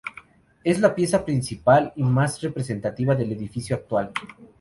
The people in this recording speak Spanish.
Es la pieza principal y más representativa del edificio actual.